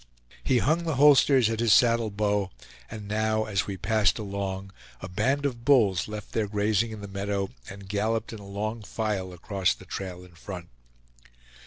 He hung the holsters at his saddle bow; and now, as we passed along, a band of bulls left their grazing in the meadow and galloped in a long file across the trail in front.